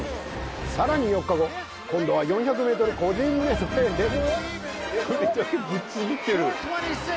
さらに４日後今度は４００メートル個人メドレーでも